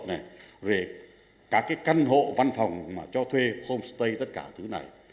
về các căn hộ văn phòng cho thuê homestay tất cả thứ này